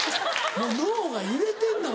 もう脳が揺れてんのよ